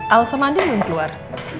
alsa mandi belum keluar